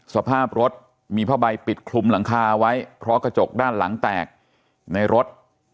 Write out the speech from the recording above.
สภาพรถมีผ้าใบปิดคลุมหลังคาไว้เพราะกระจกด้านหลังแตกในรถ